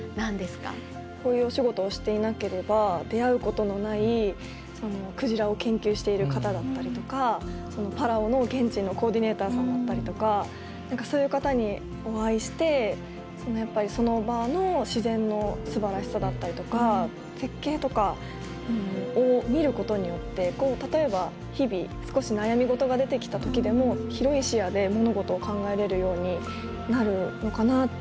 こういうお仕事をしていなければ出会うことのないクジラを研究している方だったりとかパラオの現地のコーディネーターさんだったりとかそういう方にお会いしてやっぱりその場の自然のすばらしさだったりとか絶景とかを見ることによって例えば日々少し悩み事が出てきた時でも広い視野で物事を考えれるようになるのかなって。